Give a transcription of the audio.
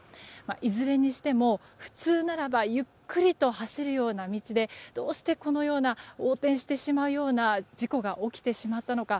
いずれにしても、普通ならばゆっくりと走るような道でどうしてこのような横転してしまうような事故が起きてしまったのか。